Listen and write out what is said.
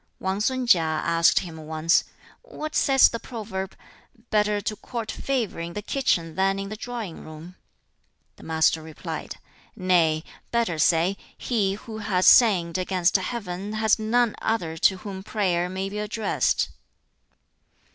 Wang sun KiŠ asked him once, "What says the proverb, 'Better to court favor in the kitchen than in the drawing room'?" The Master replied, "Nay, better say, He who has sinned against Heaven has none other to whom prayer may be addressed."